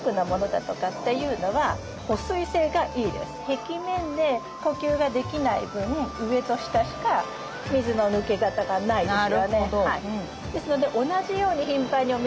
壁面で呼吸ができない分上と下しか水の抜け方がないですよね。